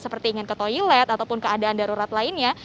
seperti ingin ke toilet ataupun keadaan darurat lainnya